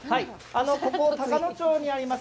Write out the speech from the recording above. ここ高野町にあります